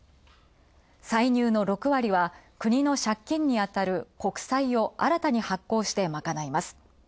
歳入の６割は国の借金にあたる国債を新たに発行して賄います。